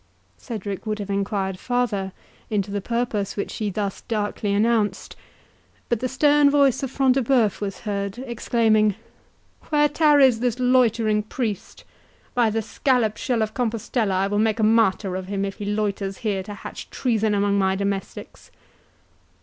Cedric would have enquired farther into the purpose which she thus darkly announced, but the stern voice of Front de Bœuf was heard, exclaiming, "Where tarries this loitering priest? By the scallop shell of Compostella, I will make a martyr of him, if he loiters here to hatch treason among my domestics!"